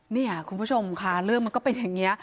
นี่คุณผู้ชมค่ะเรื่องมันก็เป็นอย่างนี้